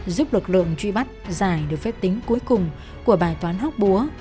giúp lực lượng truy bắt giải được phép tính cuối cùng của bài toán hóc búa